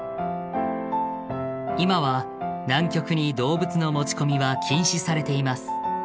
今は南極に動物の持ち込みは禁止されています。